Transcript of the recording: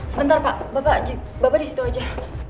sebentar pak bapak disitu aja